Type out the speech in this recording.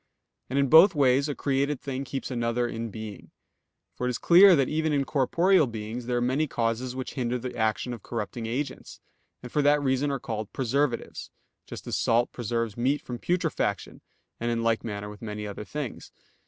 And in both ways a created thing keeps another in being. For it is clear that even in corporeal things there are many causes which hinder the action of corrupting agents, and for that reason are called preservatives; just as salt preserves meat from putrefaction; and in like manner with many other things.